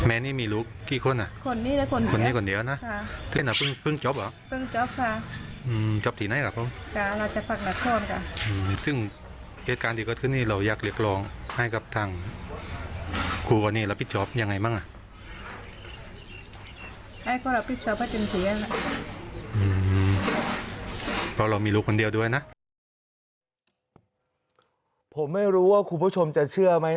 อ่าเลยซิคุณแอ็มอ่ะครับดู